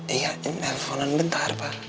iya interponan bentar pak